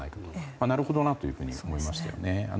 なるほどなというふうに思いましたよね。